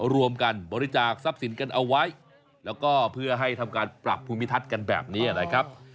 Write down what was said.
รวมกันบริจาคทรัพย์สินกันเอาไว้แล้วก็เพื่อให้ทำการปรับภูมิทัศน์กันแบบนี้นะครับ